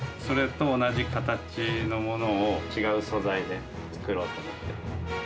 それと同じ形のものを違う素材で作ろうと思って。